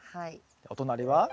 お隣は？